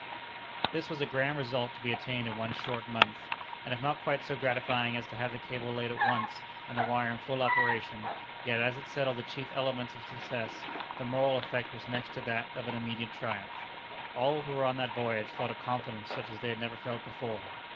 This was a grand result to be attained in one short month; and if not quite so gratifying as to have the cable laid at once, and the wire in full operation, yet as it settled the chief elements of success, the moral effect was next to that of an immediate triumph. All who were on that voyage felt a confidence such as they had never felt before.